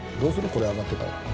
これあがってたら。